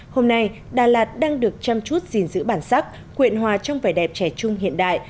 hôm nay đà lạt đang được chăm chút gìn giữ bản sắc quyện hòa trong vẻ đẹp trẻ trung hiện đại